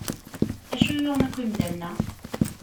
Acu yuɣen akk imdanen-a?